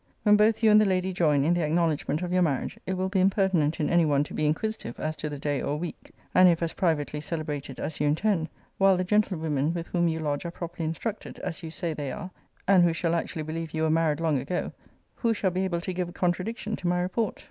] When both you and the lady join in the acknowledgement of your marriage, it will be impertinent in any one to be inquisitive as to the day or week. [And if as privately celebrated as you intend, (while the gentlewomen with whom you lodge are properly instructed, as you say they are, and who shall actually believe you were married long ago,) who shall be able to give a contradiction to my report?